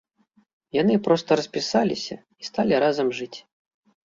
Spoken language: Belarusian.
Яны проста распісаліся і сталі разам жыць.